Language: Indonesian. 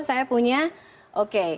saya punya oke